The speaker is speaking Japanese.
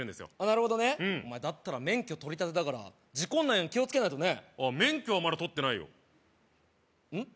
なるほどねだったら免許取りたてだから事故んないように気をつけないとあっ免許はまだ取ってないようん？